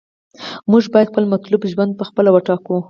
موږ باید خپل مطلوب ژوند په خپله وټاکو.